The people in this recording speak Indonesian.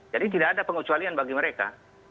jadi tidak ada pengkecualian bagi mereka